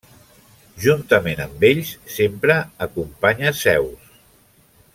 Juntament amb ells, sempre acompanya Zeus.